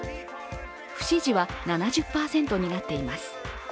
不支持は７０％になっています。